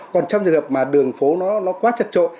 còn trong trường hợp mà đường phố nó quá chật trội